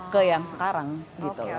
ke yang sekarang gitu